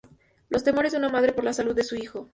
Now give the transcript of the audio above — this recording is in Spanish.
Los temores de una madre por la salud de su hijo.